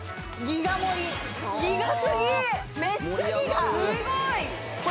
めっちゃギガ！